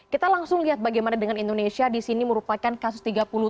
kita langsung lihat bagaimana dengan indonesia di sini merupakan kasus tiga puluh tujuh